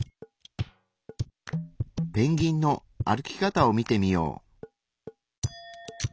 ペンギンの歩き方を見てみよう。